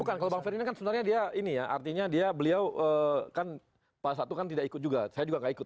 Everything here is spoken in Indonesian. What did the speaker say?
bukan kalau bang ferry ini kan sebenarnya dia ini ya artinya dia beliau kan pak satu kan tidak ikut juga saya juga nggak ikut